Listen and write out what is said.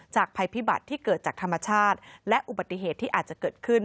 ภัยพิบัติที่เกิดจากธรรมชาติและอุบัติเหตุที่อาจจะเกิดขึ้น